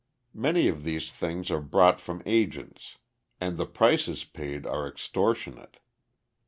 Many of these things are bought from agents and the prices paid are extortionate.